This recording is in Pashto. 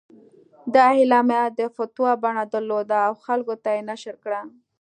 دا اعلامیه د فتوا بڼه درلوده او خلکو ته یې نشر کړه.